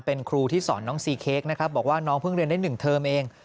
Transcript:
เป็นครูที่สอนน้องซีเค้กนะครับบอกว่าน้องเพิ่งเรียนได้๑เทอมเอง